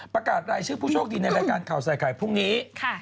ประกาศรายชื่อผู้โชคดีในรายการข่าวใส่ไข่พรุ่งนี้